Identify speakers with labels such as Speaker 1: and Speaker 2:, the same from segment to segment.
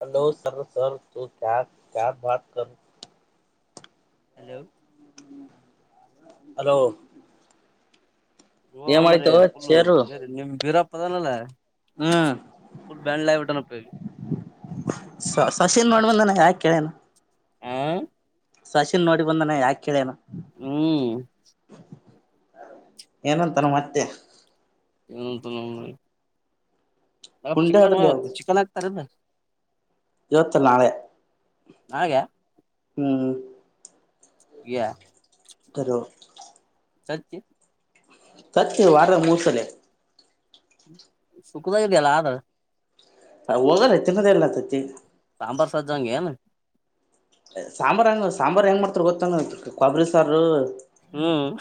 Speaker 1: Hello sir sir ತು ಕ ಬತ ಕ
Speaker 2: ಹಲೋ
Speaker 1: ಹಲೋ ಏನ್
Speaker 2: ಓಮ್ಮ್ರೀ
Speaker 1: ಮಾಡಿತು
Speaker 2: ಪುಲ್ಲು
Speaker 1: ಚೇರು
Speaker 2: ಬೇರೆ ನಿಮ್ ಬೀರಪ್ಪದನಲ್ಲ
Speaker 1: ಹ್ಮ್
Speaker 2: ಫುಲ್ ಬ್ಯಾಂಡ್ ಲವಟನ್ನು ಉಪಯೋಗಿ
Speaker 1: ಸ ಸಶಿನ್ ನೋಡ್ಬಂದನ ಯಾಕ ಕೇಳೇನು
Speaker 2: ಹ
Speaker 1: ಸಸಿನ್ ನೋಡಿ ಬಂದಾನ ಯಾಕ ಕೇಳೇನ
Speaker 2: ಹ್ಮ್
Speaker 1: ಏನಂತಾರ ಮತ್ತೆ
Speaker 2: ಏನುಂತ ನರಿ ನಾ
Speaker 1: ಗುಂಡೆ ಆಡ್ಲಿ
Speaker 2: ಚಿಕನ್ತ್ತು ಚಿಕನ್ ಆಗ್ತಾರದ
Speaker 1: ಇವತ್ತ ನಾಳೆ
Speaker 2: ಹಾಗೆ
Speaker 1: ಹ್ಮ್
Speaker 2: ಯ
Speaker 1: ಕರು
Speaker 2: ಸತ್ಯ
Speaker 1: ಸತ್ಯ ವಾರದ ಮೂಸಲ
Speaker 2: ಸುಖದಾಗಿದೆಯಲ್ಲ ಆದ್ರ
Speaker 1: ಹೋಗಲ್ಲ ತಿನ್ನದ ಎಲ್ಲಂತತಿ
Speaker 2: ಅಮಂಬರಸರ ಜಾಂಗಗೆಿನು
Speaker 1: ಸಾಂಬಾರ್ ಹೆಂಗ ಸಾಂಬಾರ್ು ಹೆಂಗ ಮಾಡ್ತಾರ ಗೊತ್ತಾನ ಕೊಬ್ಬರಿ ಸಾರು
Speaker 2: ಹ್ಮ್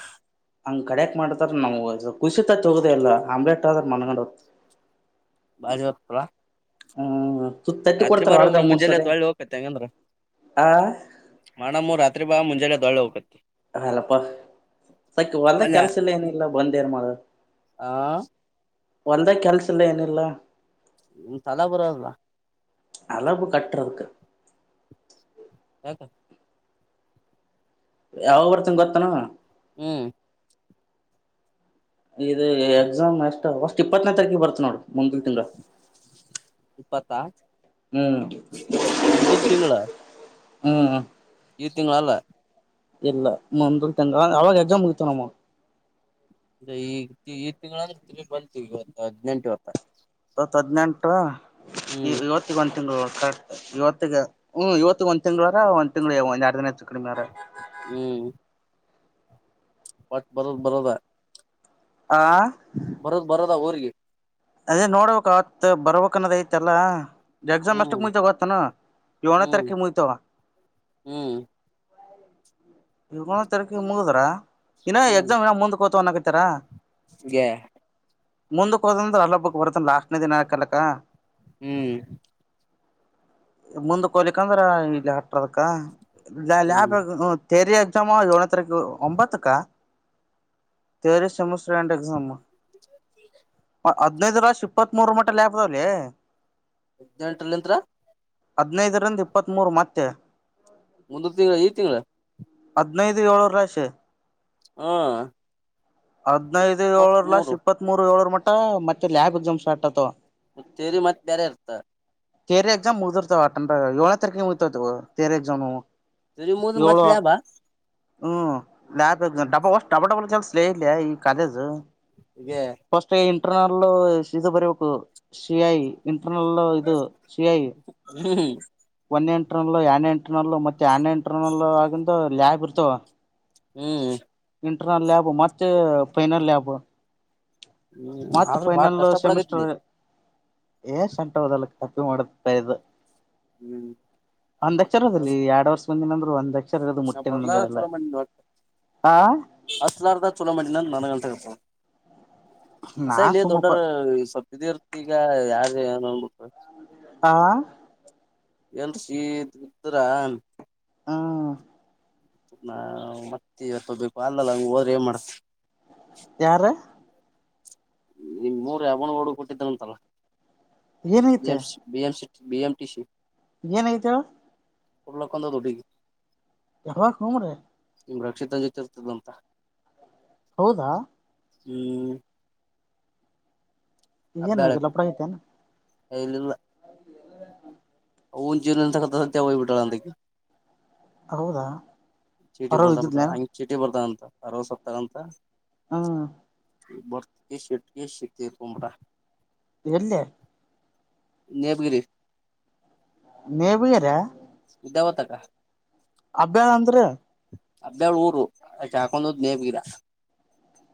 Speaker 1: ಹಂಗ್ ಕಡಕ್ ಮಾಡ್ತಾರ ನಮ್ ಖುಷಿತ ತೋಗುದ ಎಲ್ಲ ಆಮ್ಲೆಟ್ ಆದ್ರ ಮನ್ಗೊಂಡ ಹ
Speaker 2: ಬಾಜರ
Speaker 1: ಹ್ಮ
Speaker 2: ರಾತ್ರಿ ಬಾ ಮುಂಜೆಲ್ಲೆ ದಳಿ ಹೋಗಕತ್ತ ಹೆಂಗಂದ್ರ
Speaker 1: ಆ
Speaker 2: ಮಣಮ್ಮ ರಾತ್ರಿ ಬಾ ಮುಂಜ ಜನ ದೊಳೆ ಹೋಗುತ್ತೆ
Speaker 1: ಅಲ್ಲಪ್ಪಾ ಸಕ ಹೊರ್ದ
Speaker 2: ಒಲ್ಯ
Speaker 1: ಕೆಲ್ಸಲ್ಲ ಏನ ಇಿಲ್ಲ ಬಂದ ಏನ್ ಮಾಡಾರ
Speaker 2: ಹಾ
Speaker 1: ಒಂದ ಕೆನ್ಸಲ್ಲ ಏನಿಲ್ಲ
Speaker 2: ್ ತಲಾ ಬರಲ್ಲ
Speaker 1: ಅಳವು ಕಟ್ಕ್ಕೆ
Speaker 2: [unintelligible]
Speaker 1: ಯಾವ ಬರ್ತನ್ ಗೊತ್ತಾನ
Speaker 2: ಹ್ಮ್
Speaker 1: ಇದು ಎಕ್ಸಾಮ್ ಎಷ್ಟ ಅಷ್ಟ್ ಇಪ್ಪತ್ತನೇ ತಾರೀಕ ಬರ್ತ ನೋಡ ಮುಂದಲ್ ತಿಂಗ
Speaker 2: ಪತಾತ್
Speaker 1: ಹ್ಮ್ ಹ್ಮ್
Speaker 2: ಇತೀಂಗಲ್ಲ
Speaker 1: ಇಲ್ಲ ಮೂರು ತಂಗ ಅ ಎಕ್ಸಾಮತನಾಮ
Speaker 2: ಈ ಈ ತಿಂಗಳಂದ್ರೆ ತಿ ಬಂತೀವಿ ಇವತ್ತು ಹದ್ಿನೆಂಟುವತ್ತ
Speaker 1: ಇವತ್ ಹದ್ನೆಂಟ ಇವತ್ತಿಗೆ ಒಂದ ತಿಂಗಗಳು ಕರೆ ಇವತ್ತು ಹ್ಮ್ ಇವತ್ತು ಒಂದ್ ತಿಂಳಾರ ಒಂದ್ ತಿಂಗ್ಗಳು ಒಂದ್ ಎರಡ್ ದಿನ ಆತ್ತು ಕಡಿಮೆವಾರ
Speaker 2: ಪಾಠ ಬರದ ಬರದ ಆ
Speaker 1: ಆ
Speaker 2: ಬರೋದು ಬರೋದ ಊರ್ರಿಗೆ
Speaker 1: ಅದೇ ನೋಡ್ಬೇಕ ಆತ್ ಬರ್ಬೇಕಕ್ನ್ನೋದ ಐತಲ್ಲ ಎಕ್ಸಾಮ್
Speaker 2: ಹ್ಮ್
Speaker 1: ಎಷ್ಟಕ್ ಮುಗಿತಗತಾನ ಏನೇ
Speaker 2: ಹ್ಮ್
Speaker 1: ತಾರೀಕಕ್ ಮುಯತೋಗ
Speaker 2: ಹ್ಮ್
Speaker 1: ಇವಂದ್ ತರಕಿ ಮುಗುದರ ಇನ
Speaker 2: ಹ್ಮ್
Speaker 1: ಎಕ್ಸಾಮ್ ಏ ಮುಂದ್ ಕೋತನ್ಾಕತಾರ
Speaker 2: [unintelligible]
Speaker 1: ಮುಂದಕ್ ಹೋದಂದ್ರ ಅಲ್ಲೊಬ್ಬಕ್ ಬರ್ತನ್ ಲಾಕ್ನೇ ದಿನ ಆಾಕಲಕ್ಕ
Speaker 2: ಹ್ಮ್
Speaker 1: ಮುಂದಕ್ಕೆ ಹೋಲಿಿಕಂದ್ರ ಇಲ್ಲಿ ಹಟದಕ್ಕ
Speaker 2: ಹ್ಮ್
Speaker 1: ರಿ ಎಕ್ಸಾಮು ಏನ ತಾರೀಕು ಒಂಬತ್ತುಕ್ಕಾ ತರೆ ಸೆಮಸ್ರ್ ಆಂಡ್ ಎಕ್ಸಾಮ ಹದ್ನೈದು ರಾಷ್ ಇಪ್ಪತ್ತ್ ಮೂರು ಮಟ್ಟಾಪದಾವಲಿ
Speaker 2: ಎಂಟ್ರಲ್ಂತ್ರತ್ರ
Speaker 1: ಹದ್ನೈದರಿಂದ ಇಪ್ಪತ್ತ್ ಮೂೂರು ಮತ್ತೆ
Speaker 2: ಒಂದು ತಿಂಗಳ ಈ್ ತಿಂಗಳ
Speaker 1: ಹದ್ನೈದು ಏಳರು ಲಾಷ
Speaker 2: ಹಾ
Speaker 1: ಹೈದೈದು ಏಳವರ್ ಲಾಸ್ ಇಪ್ಪತ್ ಮೂರು ಏಳರ ಮತ್ತೆ ಲ್ ಎಕ್ಸಾಮ್ ಸ್ಟಾರ್ಗ್ತವ
Speaker 2: ಮತ್ತೇರಿ ಮತ್ತ್ ಬೇರೆ ಇರ್ತ
Speaker 1: ಕೆರಿ ಎಕ್ಸಾಮ್ ಮುಗಿರ್ತವ ಅಟೆಂಡ ಏಳೇ ತಾರೀಕ ಮುಗ್ತವತವ ತೇರಿ ಎಕ್ಸಾಮು
Speaker 2: ತರಿ ಮೂಗ ಮತ್ತಲಬ
Speaker 1: ಹ್ಮ್ ಲಾ ಡಬ್ಬಷ್ಟ ಡಬ ಡಬ ಚಲ್ಸ್ಲ ಇಲ್ಲ ಈ ಕಾಲೇಜು
Speaker 2: ಗೆ
Speaker 1: ಸ್ ಇಂಟರ್ನಲ್ ಇದು ಬರಬೇಕು ಸಿ ಐ ಅಲ್ಲ ಇದು ಸಿಯಾಯಿ
Speaker 2: ಹ್ಮ್
Speaker 1: ಪನ್ನೆಂಟರಲ್ಲ ಎನೆೆಂಟ ನಲ್ಲೂ ಮತ್ತೆ ಆನೆೆಂಟರಲ್ಲ ಆಗಂದ ಲಯಾಬ್ ಇರ್ತವ
Speaker 2: ಹ್ಮ್
Speaker 1: ಲ್ಯಾಬ್ ಮತ್ತೆ ಫೈನಲ್ ಲ್ಾಬ್
Speaker 2: ಹ್ಮ್
Speaker 1: ಮಾರ್ಚ್
Speaker 2: ಆದ್ರೂ ಬಾಳ
Speaker 1: ಪಿನಲ್
Speaker 2: ಕಷ್ಟ ಪಡಕತ್ಲಿ
Speaker 1: ಸೆಮಿಸಟರ್ ಏ ಸಂಟ ಹದಲ್ಲ ಕಕಿ ಮಾಡತ ಇದ್ದ
Speaker 2: ಹ್ಮ್
Speaker 1: ಒಂದಕ್ಷರ ಅದಲ್ಲಿ ಎರಡು ವರ್ಷ ಮುಂದಿನಂದ್ರು ಒಂದಕ್ಷರ
Speaker 2: ನ ಬರಲ ಚಲ ಮಣಿ
Speaker 1: ಆ
Speaker 2: ಅಸ್ಲಾರ್ದಾ ಚಲ ಮಿನ ನನಗ ತೆಗೆಪ್ಪ ಅಸ
Speaker 1: ನಾ
Speaker 2: ಇಲ್ಲಿ
Speaker 1: ಸುಮ್ಮಪ್ಪ
Speaker 2: ದೊಡ್ಡರು ಸ್ವಪ ಇರ್ತಿ ಈಗ ಯಾರ ಏನ
Speaker 1: ಆಾ
Speaker 2: ಚೀತ್ ಉತ್ತರಾಣ
Speaker 1: ಹಾ
Speaker 2: ನಾ ಮತ್ತೆ ಇವತ್ತು ಹೋಗ್ಬೇಕು ಅಲ್ಲಲ್ಲ ಹಂಗ ಹೋದ್ರೆ ಏನ್ ಮಾಡತ
Speaker 1: ಯಾರ
Speaker 2: ನಿಮ್ ಮೂರ್ ಯಾವನ ಹಡು ಕೊಟ್ಟಿದ್ದನಂತಲ್ಲಂ ಬಿಂ ಸಿ ಬಿ ಎಂಟಿ ಸಿ
Speaker 1: ಏನ ಆಗೇತಿ ಹೇಳು
Speaker 2: ಉರಲ್ ಹಾಕೊಂಡತ ಹುಡುಗಿ
Speaker 1: ಯಾವಾಗ ಹು ರೀ
Speaker 2: ನಿಮ್ ರಕ್ಷಿತ ಜೊತೆ ಇರ್ತದ ಅಂತ
Speaker 1: ಹೌದಾ
Speaker 2: ಹ್ಮ
Speaker 1: ಇದೇನ್ ಲಪಡಗಐತೆನಾ
Speaker 2: ಅಲ್ಲಿ
Speaker 1: ಹ
Speaker 2: ಜೀವನಂತಕ್ಕತ ಸತ್ಯ ಹೋಗ್ಬಿಟಳ ಅಂದಕ್ಕೆ
Speaker 1: ಹೌದಾ
Speaker 2: ಚೀಟಿ
Speaker 1: ಹೊರ
Speaker 2: ಬರ್ತಾ ಬಿ
Speaker 1: ಇದ್ದಿದ್ಲ
Speaker 2: ಹಂಗ ಚೀಟಿ ಬರ್ತಾಗಂತ ಅರವ ಸಪ್ತಂತ
Speaker 1: ಹಾ
Speaker 2: ಬರ್ತಗೆ ಶೆಟ್ಕ ಸಿತ ತೀರಕೋಬಿಟ್ಟ
Speaker 1: ಎಲ್ಲೆ
Speaker 2: ನೇಪಗಿರಿ
Speaker 1: ನೀ ಬಯರಾ
Speaker 2: ಇದಾವತಕ್ಕ
Speaker 1: ಅದ ಅಂದ್ರ
Speaker 2: ಹಬ್ಬಳ ಊರು ಅ ಹಾಕೊಂಡದ್ ನೇಪ್ಗಿರಾ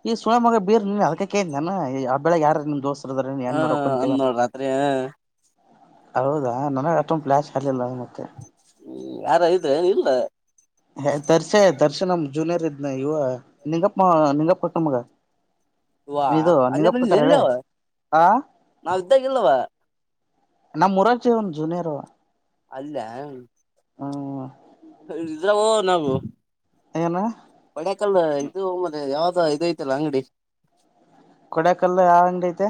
Speaker 1: ಈ ಸುಣ ಮಗ ಬೀರ್ ನೀನ್ ಅದಕ ಕ ನಾನ ಆ ಬೆಳಗ್ ಯಾರ ನಿಮ್ ದೋಸ ನ್ ಹೆಣ್ಣ
Speaker 2: ಹಾ
Speaker 1: ನೋಡಕೊಂತೀವ
Speaker 2: ಅಂದ್ ನೋಡ್ ರಾತ್ರಿ
Speaker 1: ಹೌದಾ ನನಗೆ ಅಷ್ಟೊಂದು ಫ್ಲ್ಯಾಶ್ ಆಲ್ಲಿಲ್ಲ ಮತ್ತೆ
Speaker 2: ಹ್ಮ್ ಯಾರ ಇದ್ರೆ ಏನ ಇಲ್ಲ
Speaker 1: ಹ ದರ್ಶ ದರ್ಶ ನಮ ಜೂನಿಯರ್ ಇದ್ನ ಯುವ ನಿಂಗಪ್ಪ ನಿಂಗಪ್ಪ ಕಾಕಾ ನ್ ಮಗ
Speaker 2: ವಾ ಅಲ್ಲೇ ಬಂದ ಎಲ್ಲವ ನಾವ ಇದ್ದಾಲೇ ಇಲ್ಲವ
Speaker 1: ನಮ್ಮ ಮುರಾರ್ಜಿ ಒಂದು ಜುನಿಯರ್
Speaker 2: ಅಲ್ಯ್
Speaker 1: ಹ
Speaker 2: ನಾವು
Speaker 1: ಏನು
Speaker 2: ಬಡ್ಯಾಕಲ್ ಇದು ಮಲೆ ಯಾವ್ದ ಇದು ಐತಿಲ್ಲ ಅಂಗಡಿ
Speaker 1: ಕೊಡಕಲ್ಲ ಅಂಗಐತೆ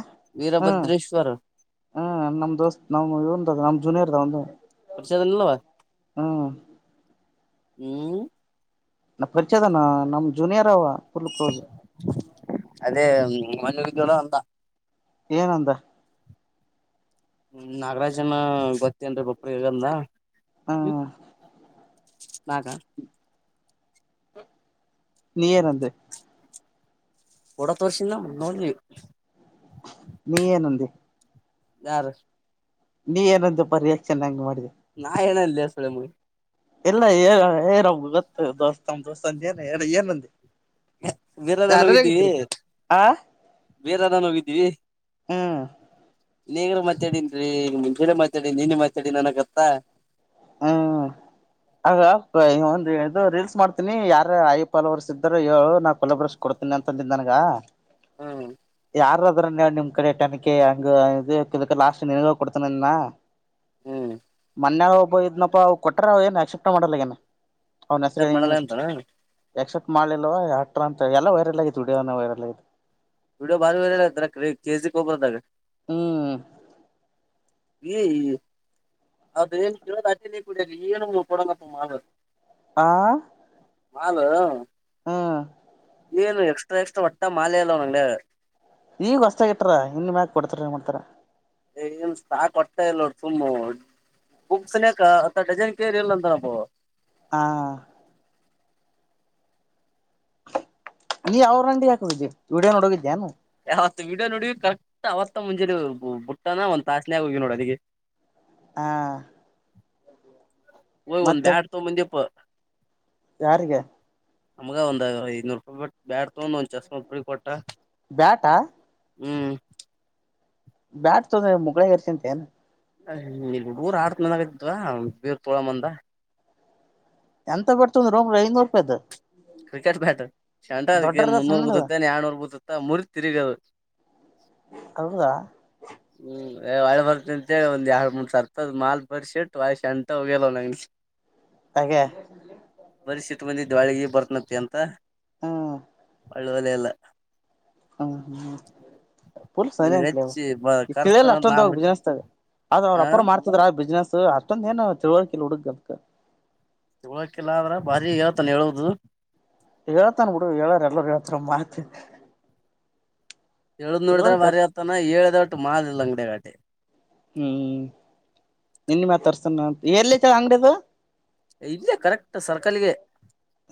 Speaker 1: ಹ್ಮ್
Speaker 2: ವೀರಭದ್ರೇಶ್ವರ
Speaker 1: ಹ್ಮ್ ನಮ್ ದೋಸ್ತ್ ನಮ್ ಇವ ನಮ್ ಜೂನಿಯರ್ದ ಅಂದೆ
Speaker 2: ಪರಿಚಯದನಲ್ಲ ಹ್ಮ್
Speaker 1: ನ ಪರಿಚಯದನಾ ನಮ್ ಜೂನಿಯರ್ ಅವ ಫುಲ್ ಕ್ಲೋಸ್
Speaker 2: ಅದೇ ಮೊನ್ನೆ ಹೋಗಿದ್ದವಲ್ ಅಂದ
Speaker 1: ಏನಂದ
Speaker 2: ಹ್ಮ ನಾಗರಾಜನ ಗೊತ್ತೇನ್ರರಿ ಬಪ್ರ ಹಗಂದ
Speaker 1: ಹ
Speaker 2: ನಾಗ
Speaker 1: ನೀಯರಂದ
Speaker 2: ಫೋಟೋ ತೋರ್ಸಿದನ್ ಅವ ನೋಡದಿವಿ
Speaker 1: ನೀ ಏನಂದಿ
Speaker 2: ಯಾರ
Speaker 1: ನೀ ಏನಂದಪ್ಪ ರಿಯಾಕ್ಷನ್ ಹಂಗ್ ಮಾಡಿದಿ
Speaker 2: ನಾ ಎನ ಅಲ್ಲಿ ಸ್ಳ ಮು [unintelligible]
Speaker 1: ಎಲ್ಲ ಏ ಏನ ಗೊತ್ತ ದೋಸ್ತ ದೋಸ್ತಂದ ಏನ ಹೇಳ ಏನಂದ
Speaker 2: ಬೇರೆಾರನ್ ಹೋಗಿದ್ದೀವಿ
Speaker 1: ಆ
Speaker 2: ಬೇರೆಾರನ್ ಹೋಗಿದ್ದೀವಿ
Speaker 1: ಹಾ
Speaker 2: ನೀಗರು ಮಾತಾಡನ್ೀ ಮಾತಾಡಿ ನೀನ್ ಮಾತಾಡಿ ನನಗತ್ತ [unintelligible]
Speaker 1: ಹ್ಮ್ ಆಗ ಒಂದು ಇದು ರೀಲ್ಸ್ ಮಾಡ್ತೀನಿ ಯಾರ ಆಯ ಪಲವರ್ಸ್ ಇದ್ದಾರು ನಾ ಕೊಲ ಬರ್ಸ ಕೊಡ್ತೀನಿ ಅಂತ ತಿದ್ದ ನನಗ
Speaker 2: ಹ್ಮ
Speaker 1: ಯಾರಾದ್ರ ನೀ ನಿಮ್ ಕಡೆ ತನಿಖೆ ಹಂಗ ಇ ಲಾಸ್ಟ್ ನಿನಗ ಕೊಡ್ತನನ್ನ
Speaker 2: ಹ್ಮ್
Speaker 1: ಮೊನ್ನೆ ಒಬ್ಬ ಇದ್ನಾ ಪಾ ಅವ ಕೊಟ್ರ ಅವ ಏನ್ ಆಕ್ಸೆಪ್ಟ್ ಮಾಡಲ್ಲ ಏನ ಅವ್ನ್ ಹೆಸರು
Speaker 2: ಅಕ್ಸೆಪ್ಟ್
Speaker 1: ಏನು ನೀ
Speaker 2: ಮಾಡಲ್ಲ ಅಂತಾನ
Speaker 1: ಎಕ್ಸೆಪ್ಟ್ ಮಾಡ್ಲಲ್ವ ಯಾಕ್ ಅಂತ ಎಲ್ಲ ವೈರಲ್ ಆಗಿತೆ ವಿಡಿಯೋ ವೈರಲ್ ಆಗೀತೆ
Speaker 2: ವಿಡಿಯೋ ಬಾರಿ ವೈರಲ್ ಆಗೇತಿ ಕೆಜಿ ಹ ಒಬರದಾಗ
Speaker 1: ಹ್ಮ್
Speaker 2: ಈ ಅದೇನ್ ಕೇಳೋದ ಅಜನ ಕುಡಿಯ ಏನು ಕೊಡಂಗಪ್ಪ ಮಾ
Speaker 1: ಆ
Speaker 2: ಹಲ್
Speaker 1: ಹಾ
Speaker 2: ಏನು ಎಕ್ಸ್ಟ್ರಾ ಎಕ್ಸ್ಟ್ರಾ ಒಟ್ಟ ಮಾಲೆ ಅಲ್ಲವ ನಂಗಗೆ
Speaker 1: ನಿಂಗ ಹೊಸತಾಗಿ ಇಟರ ಇನ್ ಮ್ಯಕ್ ಕೊಡ್ತಾರ ಏನ್ ಮಾಡ್ತಾರ
Speaker 2: ಏ ಎಲೇನು ಸ್ಟಾಕ್ ಕೊಟ್ಟ ಇಲ್ಲೋ ತುಮ್ಮ ಬುಕ್ಸ್ನಯಕ ಅತ್ತ ಡಜನ್ ಕೇರ್ ಇಲ್ಲ ಅಂತನಬ
Speaker 1: ಹ ನೀ ಅವ್್ರ ಅಂಡಿ ಹಾಕಿದ್ದಿ ವಿಡೋ ನೋಡ ಹೋಗಿದ್ದ್ಯಾಾನು
Speaker 2: ಯಾವತ್ ವಿಡಿಯೋ ನೋಡವಿ ಕಕ್ಟ್ ಅವತ್ತ ಮುಂಜೆ ಬುಟ್ಟನ ಒಂದ್ಾಸ್ನ ಆ ಹೋಗ್ವಿ ನೋಡ ಅದಿಗೆ [unintelligible]
Speaker 1: ಹಾ
Speaker 2: ಹೋಗೀ ಒಂದ್
Speaker 1: ಮತ್ತೆ
Speaker 2: ಬ್ಯಾಡ್ ತಗೊ ಬಂದಿಪ್ಪ
Speaker 1: ಯಾರಿಗೆ
Speaker 2: ನಮಗ ಒಂದ್ ಐನೂ ರೂಪಾಯಿ ಬ್ಯಾಡ್ ತ ಒಂದ ಒಂದ್ ಚಸ್ ಒಬರಿಗೆ ಕೊಟ್ಟ
Speaker 1: ಬ್ಯಾಟಾ
Speaker 2: ಹ್ಮ್
Speaker 1: ಬ್ಯಾಟ್ ತೊಂದ ಮುಕ್ಳಗರ್ಸಿಂತ ಏ
Speaker 2: ಹ ಇಲ್ಲಿಡು ಊರು ಆರ್ತ ಮಂದಾಗ್ವ ಬೇರ್ ತೊಳ ಮಂದ
Speaker 1: ಎಂತ ಬಂತಿದ ರೋಂಬರು ಐನೂರು ರೂಪಾಯ್ದ
Speaker 2: ಕ್ರಿಕೆಟ್ ಬ್ಯಾಟರ್ ಶಂಟ ಅದಕ್ಕೇನ್ ಮುನ್ನೂರ್
Speaker 1: ಸಣ್ಣದ
Speaker 2: ಗೂತತ್ತನ್ ಯಡ್ನೂರ್ ಗೂತತ್ತ ಮುರ ತಿರುಗದ
Speaker 1: ಹೌದಾ
Speaker 2: ಒಳೆ ಬರ್ತ ಅಂತೇಳಿ ಒಂದ್ ಎರಡು ಮೂರು ಸರ್ಪದ ಮಾಲ್ ಬರ್ಶಿಟ್ ವಳ ಶ ಅಂಟ ಹೋಗ್ಯಲ್ವ ನಂಗೆ
Speaker 1: ಹಾಗೆ
Speaker 2: ಇಷ್ಟ ಮಂದಿ ವಳಿಗೆ ಬರ್ತನತಿ ಅಂತ
Speaker 1: ಹಾ
Speaker 2: ಲೋಲೇಅಲ್ಲ
Speaker 1: ಹಾ ಹಾ ಪೂಲ್ ಸರಿ
Speaker 2: ನಿನ್ಗ
Speaker 1: ಅಂಟ್ಲ
Speaker 2: ಹೆಚ್ಚಿ ಬ
Speaker 1: ಈ
Speaker 2: ಕರ್ಸ್ತನ
Speaker 1: ತಿಳಿಯಲ್ಲ
Speaker 2: ನಾ
Speaker 1: ಅಷ್ಟೊಂದೋಗಿ
Speaker 2: ಬಿಟ್
Speaker 1: ಬಿಜಿನಿಸಸ್ತದೆ ಆದ್ ಅವ್ರ
Speaker 2: ಆ
Speaker 1: ಅಪ್ರ ಮಾಡ್ತಿದ್ರ ಬಿಸ್ನೆಸ್ ಅಷ್ಟೊಂದ ಏನು ತಿಳುವಳಿಕಲ್ ಹುಡುಗ್ ಅದಕ್
Speaker 2: ತಿಳಕಿಲ್ಲ ಅಂದ್ರೇ ಬಾರಿ ಹೇಳೇಳ್ತಾನ ಹೇಳುದು
Speaker 1: ಹೇಳ್ತಾನ ಬಿುಡು ಹೇಳಾರ ಎಲ್ಲರು ಹೇಳ್ತಾರ ಮಾತಿ
Speaker 2: ಎಳುದ್ ನೋಡಿದ್ರೆ ಮಾರಿ ಆತ್ತನ ಹೇಳ್ದ ಒಟ್ಟು ಮಾಿಲ್ಲ ಅಂಗ್ಡಿಗಾಟಿ
Speaker 1: ಹ್ಮ್ ಮಾ ತರ್ತಣಂತ ಎಲ್ಲ ಐತಲೇ ಅಂಗಡದು
Speaker 2: ಇಲ್ಲೇ ಕರೆಕ್ಟ್ ಸರ್ಕಲ್ಗೆ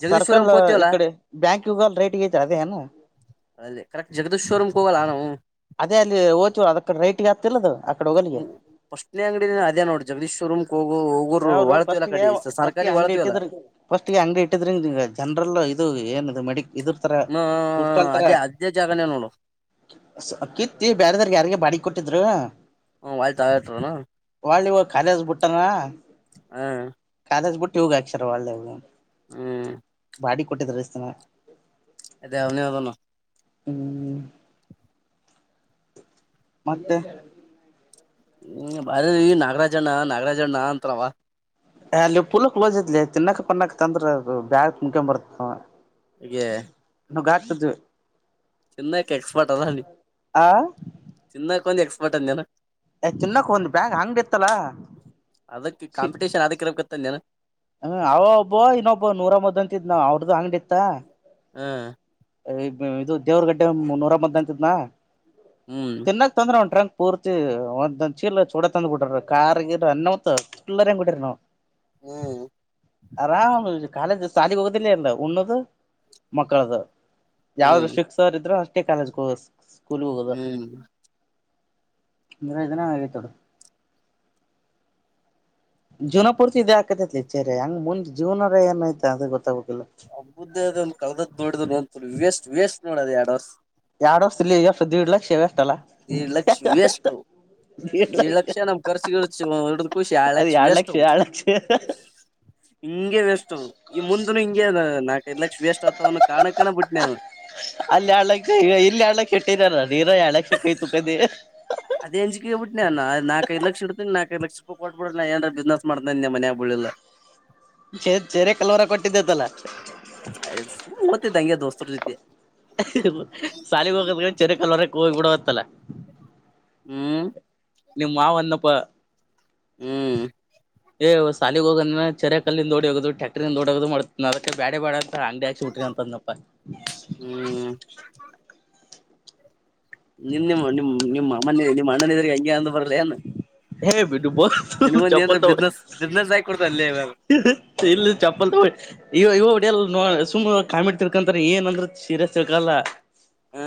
Speaker 2: ಜಗದೀಶ್ವರಂ
Speaker 1: ಸರ್ಕಲ್
Speaker 2: ಕೋತೀವಲ್ಲಾ
Speaker 1: ಇಕಡೆ ಬ್ಯಾಂಕ್ಗ ರೈಟ್ಗತೆ ಅದೇ ಏನಾ
Speaker 2: ಅದೇ ಕರೆಕ್ಟ್ ಜಗದೀ್ವರ್ೂ್ ಹೋಗಲ್ಲ ನಾನ
Speaker 1: ಅದೇ ಅಲ್ಲಿ ಓತ ಅದ ಕಡೆ ರೈಟಗ ಆಗ್ತಿರ್ದು
Speaker 2: ಸ್ಟ್ನೇ ಅಂಗಡ ಅದೇ ನೋಡಿ್ರ ಜಗದೀಶ್ರ್ರಮ್ ಹೋಗ ಹ
Speaker 1: ಯಾವರು ಫಸ್ಟ್ಗೆ ಫಸ್ಟ್ಗೆ ಅಂಗ್ಡಿ ಇಟ್ಟಿದ್ರ ಫಸ್ಟ್ಗೆ ಅಂಗಡಿ ಇಟ್ಟಿದ್ರಿ ಜನ್ರಲ್ ಇದು ಏನದು ಮೆಡ ಇದಿರ್ತಾರ
Speaker 2: ಹ್ಮ
Speaker 1: ಬುಕ್ ಸಲ್ತರ
Speaker 2: ಅದೇ ಅದೇ ಜಾಗನೇ ನೋಡು
Speaker 1: ಕಿತ್ತಿ ಬೇರೆದಾರ್ಗೆ ಯಾರಿಗೆ ಬಾಡಿ ಕೊಟ್ಟಿದ್ರು
Speaker 2: ಹ್ಮ ವಯತ ಆಯತನು
Speaker 1: ಅಲಿ ಅಂದು ಕಾಲೇಜ್ ಬಿಟ್ಟಾನ
Speaker 2: ಹಾ
Speaker 1: ಅದ್ ಬಿಟ್ಟು ಯೋಗಗ ಆಕ್ಷಿನ ವಾಲೇನ
Speaker 2: ಹ್ಮ್
Speaker 1: ಬಾಡಿ ಕೊಟ್ಟಿದಸ್ತನ
Speaker 2: ಅದೇ ಅವನ ಅದಣ
Speaker 1: ಹ್ಮ್ ಮತ್ತೆ
Speaker 2: ಹ್ಮ್ ಬಾರಿ ನಾಗರಾಜ ಅಣ್ಣ ನಾಗರಾಜಣ್ಣ ಅಂತವ
Speaker 1: ಅಲ್ಲಿ ಪುಲಕ್ ಲೋಸ್ ಇದ್ಲಿ ತಿನ್ನಕ್ ಪನ್ನಾಕ್ ಅಂದ್ರ ಬ್ಯಾಗ್ ಮುನ್ಕೊ ಬರ್ತ
Speaker 2: ಈ
Speaker 1: ನಗಾಟುದು
Speaker 2: ಚಿನ್ನ ಎಕ್ಸ್ಪರ್ಟ್ ಅಲ್ಲ
Speaker 1: ಆ
Speaker 2: ಚಿನ್ನ ಕೊಂದು ಎಕ್ಸ್ಪರ್ಟ್ ಅನ
Speaker 1: ಎ್ ಚಿನ್ನಕ್ಕ ಒಂದು ಬ್ಯಾಗ್ ಹಂಗ್ಡಿ ಇತ್ತಲ ಸಿ
Speaker 2: ತನ್ನ
Speaker 1: ಹ್ಮ ಅವ ಒಬ್ಬೋ ಇನ್ನೊಬ್ಬೊ ನೂರ ಮದ್ದ ಅಂತಿದ್ ನಾವ ಅವ್ರ್ದು ಅಂಗಡಿ ಇತ್ತ
Speaker 2: ಹಾ
Speaker 1: ಇದು ದೇವ್ರಗಡ್ಡೆ ನೂರ ಮ್ದ ಅಂತಿದ್ನಾ
Speaker 2: ಹ್ಮ್
Speaker 1: ತಿನ್ನಕ್ ತಂದ್ರ ಒನ್ ಟ್ರಂಕ್ ಪೂರ್ತಿ ಒಂದಂದ ಚೀಲ ಚೂಡ ತಂದ್ ಬಿಟ್ರರು ಕಾರ್ಗಿರ ಅನ್ನವತ್ ಚಲ್ಲರ್ ಹೆಂಗ್ ಬಿಟ್ರ ನಾವವು
Speaker 2: ಹ್ಮ್
Speaker 1: ಆರಾಮ ಕಾಲೇಜ್ ಸಾಲಿಗೆ ಹೋಗೋದಿಲ್ಲ ಅಲ್ಲ ಉಣ್ಣದು ಮಕ್ಕಳದು ಯಾವ್ದ್
Speaker 2: ಹ್ಮ್
Speaker 1: ಫಿಕ್ಸರ್ ಇದ್ರೆ ಅ ಕಾಲಜ ಕೋರ್ಸ್
Speaker 2: ಹ್ಮ್
Speaker 1: ನಿಂದದನ ಆಗತೊಡ ಜೀನ ಪೂರ್ತಿ ಇ ಇದೇ ಆಕತತ್ಚೇರಿ ಹಂಗ್ ಮುಂದ್ ಜೀನರ ಏನಯ್ತ ಅದು ಗೊತ್ತಾಗುತ್ತ
Speaker 2: ಹಬ್ಬ್ದ ಅ ಒಂದು ಕಳದ ದುಡ್ದು ನೋ ವೇಸ್ಟ್ ವೇಸ್ಟ್ ನೋಡದ ಎಡವ
Speaker 1: ಎರಡ್ ವರ್ಷದ ಇಲ್ಲಿ ಎರ್ಷ ದದುಡ್ ಲಕ್ಷವ
Speaker 2: ಈ ಲಕ್ಷ್ಯ ವ್ಯಸ್ತ ಹ ಏಳ ಲಕ್ಷ ನಮ್ ರ್ಸ ಹಡ ಕಷಿ ಏಳ್
Speaker 1: ಅದ್
Speaker 2: ಲಕ್ಷ
Speaker 1: ಎರಡ್
Speaker 2: ಎಷ್ಟ
Speaker 1: ಎರಡ್ ಲಕ್ಷ
Speaker 2: [unintelligible] ಹಿಂಗೆ ವೇಸ್ಟ್ ಈ ಮುಂದನು ಹಿಂಗೆ ನಾಲ್ಕೈದ ಲಕ್ಷ ವೇಸ್ಟ್ ಆತವನ್ ಕಾಣಕ್ ಕಣ ಬಿಟ್ಟನೆು
Speaker 1: ಅಲ್ಲಿ ಆಳಕ್ಕ ಇಲ್ಲಿ ಹಳಕ್ಕ ಇಟ್ಟರಾರ ನೀರ ಎಳಕ್ಕೈತು ಕದ
Speaker 2: ಅದ ಅಂಜಿಕೆೋಗಬ ಬಿಟ್ಟಿಾನ ನಾಕೈ ದು ಲಕ್ಷ ಇಡ್ತನ ನಕೈಐ ಲಕ್ಷ ರೂಪಾಯ ಕೊಬ ಬಿಡ ನಾ ಏಾರ ಬಿಸ್ನೆಸ್ ಮಾಡ್ನ ನಿನ್ ಮನ್ಯಾಗ ಬಳ್ಳಿಲ್ಲ [unintelligible]
Speaker 1: ಚ ಚೆರೆ ಕಲ್ವರ ಕೊಟ್ಟಿದ್ದೇತಲ್ಲಾ
Speaker 2: ಯ ಮತ್ತಂಗೆ ದೋಸ್ತರ ಜೊತೆ
Speaker 1: ಸಾಲಿಗೆ ಹೋಗದ ಚೊರೆ ಕಲ್ವರೆ ಹೋಗಿ ಬಿಡವತ್ತಲ್ಲಾ
Speaker 2: ಹ್ಮ್
Speaker 1: ನಿಮ್ಮ್ ಮಾವನ್ನಪ್ಪ
Speaker 2: ಹ್ಮ್
Speaker 1: ಸಾಲಿಗೆ ಹೋಗದ್ರೆ ಚೆರೆ ಕಲ್ಲಿಂದ ೋಡಿ ಹೋಗೋ ಟ್ಯಾಕ್ಟ್ರಂದ ಹೋದು ಅದಕ್ಕೆ ಬ್ಯಾ ಬಾಡದು ಸ ಅಂಗಡಿ ಹಾಕಿ ಉಟ್ರಿ ಅಂತದ್ನಪ್ಪ
Speaker 2: ಹ್ಮ್ ನಿಮ ನಿಮ್ಮ ನಿ ನಿಮ್ಮಮ್ಮನ ನಿಮ್ಮ ಅಣ್ಣನ ಇದ್ರೆ ಹೆಂಗೆ ಅಂದ ಬರಲಿಏ
Speaker 1: ಹ ಬಿಟು ಬ ಚಪ್ಪಲ ತೊಗೊ [inaudible]
Speaker 2: ಬಿಸ್ನೆಸ್ ಬಿಸ್ನೆಸ್ ಆಗಿ ಕೊಡ್ತ ಅಲ್ಲೇ ಇವಾಗ
Speaker 1: ಇಲ್ಲ ಚಪ್ಪಲ್ ತೊಗೊ ಇವ ಇವ. ಸುಮ್ಮ್ ಕಾಮಿಡ್ ತಿಳ್ಕೋತಾರ ಏನ್ ಅಂದ್ರ ಸೀರಿಯಸ್ ತಿಳ್ಕೊಳಲ್ಲ.
Speaker 2: ಹ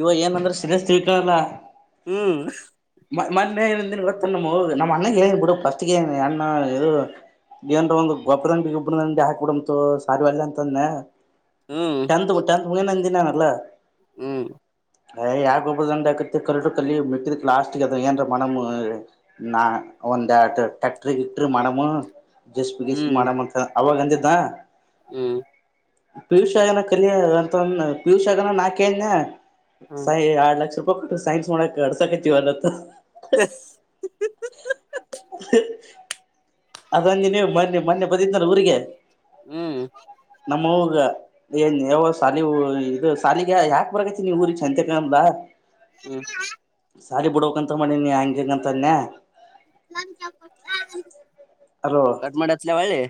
Speaker 1: ಇವ ಏನಂದ್ರ ಸಿರೆ ತಿೀಕಳಲ್ಲ
Speaker 2: ಹ್ಮ್
Speaker 1: ಅಣ್ಣ ನಿವತ್ತ ನ ನಮ್ಮ ಅ್ಣಗೆಳ ಬಿಡುಸ್ ಅಣ್ಣದು ಏನ್ ಒಂದು ಗಬ್ಬರಂಡಿ ಗೊಬ್ಬ್ರ ದಿ ಹಾಕಬಡು ಸಾರಿ ಒಳ್ಳ ಅಂತಂದೆ
Speaker 2: ಹ್ಮ್
Speaker 1: ಟೆನತ್ ಟೆನತ್ ಉ ನಂದಿನಾನಲ್ಲ
Speaker 2: ಹ್ಮ್
Speaker 1: ಅಯ್ ಯಾಗ ಒಬ್ಬ ದಂಡ್ ಆಕತ್ತ ಕಲ್ರು ಕಲ್ಲಿ ಬಿಿದಕ್ ಲಾಸ್ಟ್ಗ ಅದ ಏನ್ ಮನಮ ನಾ ಒಂದು ಟಕ್ಟರ್ ಇಟ್ಟ ಮನಮು ಜಸ್ಪ ಗೀಸ್
Speaker 2: ಹ್ಮ್
Speaker 1: ಮಾಡಂತ ಅವಾಗ ಅಂದಿದ್ದ
Speaker 2: ಹ್ಮ್
Speaker 1: ಪಿಯುಸಿ ಆಗನ ಕಲಿಯ ಅಂತ ಪಿಯುಸಿ ಆಗನ ನಾ ಕೇಳಿನ
Speaker 2: ಹ್ಮ್
Speaker 1: ಸೈನ್ಸ್ ಯಾಡ್ ಲಕ್ಷ ರೂಪಾಯಿ. ಸೈನ್ಸ್ ಮಾಡೋಕ್ಕ [unintelligible]
Speaker 2: [unintelligible]
Speaker 1: [unintelligible] ಅದ ನಿನ್ನೆ ಮೊನ್ನೆ ಮೊನ್ನೆ ಬಂದಿದನಲ್ಲ ಊರಿಗೆ
Speaker 2: ಹ್ಮ್
Speaker 1: ನಮ್ಮ ಅವ್ವ ಗ ಏನ್ ಯವ್ವ ಶಾಲಿಗೆ ಇದು ಶಾಲೆಗೆ ಯಾಕ ಬಾರಕತ್ತಿ ನೀ ಊರಿಗೆ ಸಂಚಾಕ್ ಅಂದ್ಲ
Speaker 2: ಹ್ಮ್
Speaker 1: ಶಾಲಿ ಬಿಡ್ಬೇಕ್ಂತ ಮಾಡಿನೀ ಹಂಗ ಹಿಂಗ ಅಂತ ಅನ್ನಿ. ಅಲೋ
Speaker 2: ಕಟ್ ಮಾಡಿ ಹಚ್ಲ್ಯಾ ಹೊಳ್ಳಿ.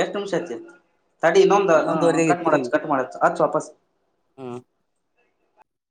Speaker 1: ಎಷ್ಟ್ ನಿಮಿಷ ಐತಿ ತಡಿ ಇನ್ನೊಂದ
Speaker 2: ಹನ್ನೊಂದುವರೆಗೆ
Speaker 1: ಕಟ್ ಮಾಡಿ ಹಚ್ ಕಟ್ ಮಾಡಿ ಹಚ್ ಹಚ್ಚು ವಾಪಸ್.
Speaker 2: ಹ್ಮ